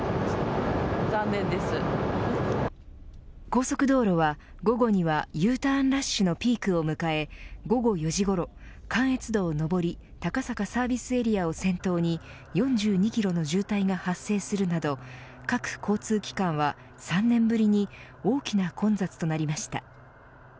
高速道路は午後にはＵターンラッシュのピークを迎え午後４時ごろ、関越道上り高坂サービスエリアを先頭に４２キロの渋滞が発生するなど各交通機関は３年ぶりに大きな混雑となりました。